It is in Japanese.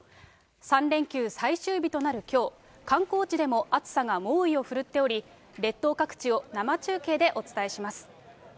３連休最終日となるきょう、観光地でも暑さが猛威を振るっており、列島各地を生中継でお伝えします。